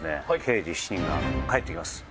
『刑事７人』が帰ってきます。